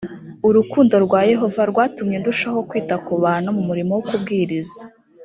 urukundo rwa yehova rwatumye ndushaho kwita ku bantu mu murimo wo kubwiriza